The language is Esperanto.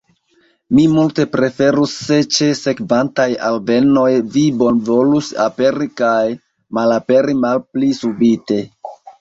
Mi multe preferus, se ĉe sekvantaj alvenoj vi bonvolus aperi kaj malaperi malpli subite.